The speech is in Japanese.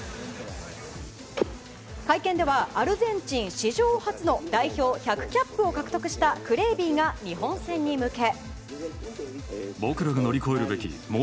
会見ではアルゼンチン史上初の代表１００キャップを獲得したクレービーが、日本戦に向け。